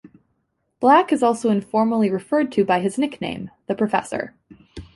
Black is also informally referred to by his nickname, The Professor.